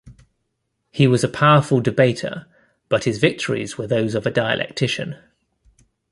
He was a powerful debater, but his victories were those of a dialectician.